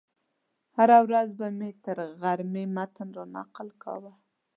هره ورځ به مې تر غرمې متن رانقل کاوه.